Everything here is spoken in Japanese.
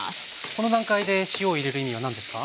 この段階で塩を入れる意味は何ですか？